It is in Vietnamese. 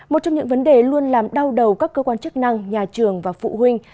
một trong những vấn đề luôn làm đau đầu các cơ quan chức năng nhà trường và phụ huynh